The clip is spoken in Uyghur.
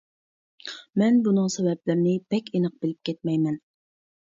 مەن بۇنىڭ سەۋەبلىرىنى بەك ئېنىق بىلىپ كەتمەيمەن.